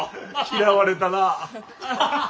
嫌われたな。